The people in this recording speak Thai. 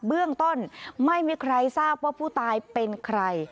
เบื้องต้นไม่มีใครทราบว่าผู้ตายเป็นใคร